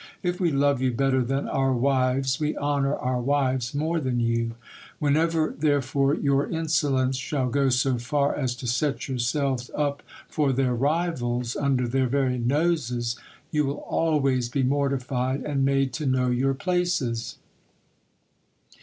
If we love you better than our wives, we honour our wives more than you : whenever, there fore, your insolence shall go so far as to set yourselves up for their rivals under their very noses, you will always be mortified, and made to know your places.